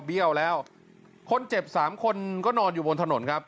เบี้ยวแล้วคนเจ็บสามคนก็นอนอยู่บนถนนครับ